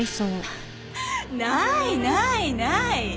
フッないないない！